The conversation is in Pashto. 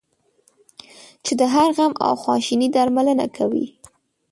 چې د هر غم او خواشینی درملنه کوي.